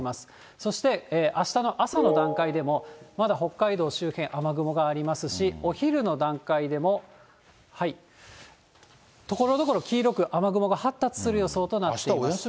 そしてあしたの朝の段階でも、まだ北海道周辺、雨雲がありますし、お昼の段階でも、ところどころ、黄色く雨雲が発達する予想となっています。